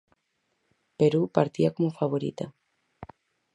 Perú partía como favorita.